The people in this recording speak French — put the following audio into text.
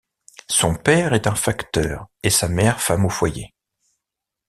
Son père est un facteur et sa mère femme au foyer.